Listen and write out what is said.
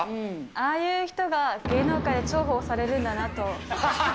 ああいう人が芸能界で重宝されるんだなと。